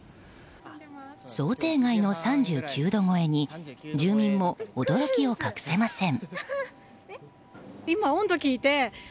想定外の３９度超えに住民も驚きを隠せません。